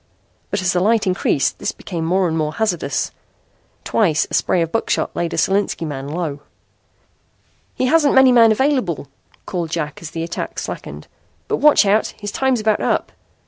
But as the light increased this became more and more hazardous. Twice a spray of buckshot laid a Solinski man low. "He hasn't many men available," called Jack as the attack slackened. "But watch out. His time's about up.